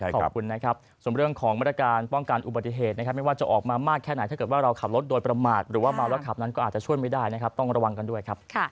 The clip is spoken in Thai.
ขอบคุณนะครับส่วนเรื่องของมาตรการป้องกันอุบัติเหตุนะครับไม่ว่าจะออกมามากแค่ไหนถ้าเกิดว่าเราขับรถโดยประมาทหรือว่าเมาแล้วขับนั้นก็อาจจะช่วยไม่ได้นะครับต้องระวังกันด้วยครับ